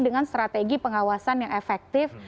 dengan strategi pengawasan yang efektif